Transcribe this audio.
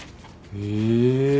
へえ！